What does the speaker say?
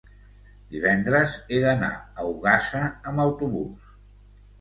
divendres he d'anar a Ogassa amb autobús.